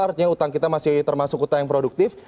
artinya utang kita masih termasuk utang yang produktif